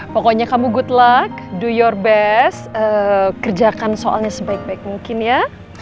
pokoknya kamu good luck door best kerjakan soalnya sebaik baik mungkin ya